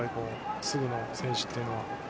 すぐの選手っていうのは。